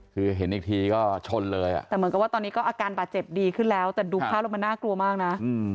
คือเห็นอีกทีก็ชนเลยอ่ะแต่เหมือนกับว่าตอนนี้ก็อาการบาดเจ็บดีขึ้นแล้วแต่ดูภาพแล้วมันน่ากลัวมากนะ